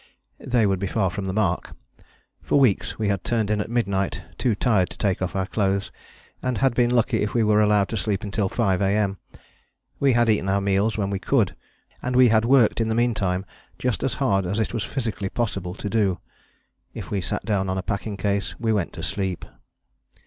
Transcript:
They would be far from the mark. For weeks we had turned in at midnight too tired to take off our clothes, and had been lucky if we were allowed to sleep until 5 A.M. We had eaten our meals when we could, and we had worked in the meantime just as hard as it was physically possible to do. If we sat down on a packing case we went to sleep.